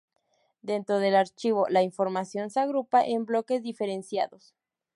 Dentro del archivo la información se agrupa en bloques diferenciados.